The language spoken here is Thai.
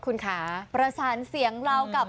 คุณคะประสานเสียงเรากับ